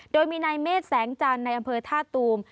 โดยมีนายเมฆแสงจันทร์ในอำเภอท่าตูม